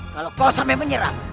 kalau kau sampai menyerang